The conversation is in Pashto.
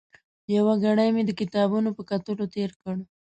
یو ګړی مې د کتابونو په کتلو تېر کړ.